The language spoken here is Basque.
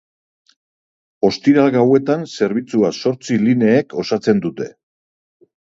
Ostiral gauetan zerbitzua zortzi lineek osatzen dute.